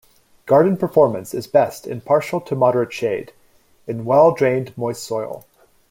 Garden performance is best in partial to moderate shade, in well-drained moist soil.